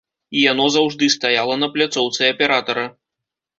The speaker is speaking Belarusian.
І яно заўжды стаяла на пляцоўцы аператара.